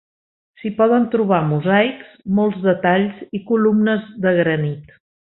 S'hi poden trobar mosaics, molts detalls i columnes de granit.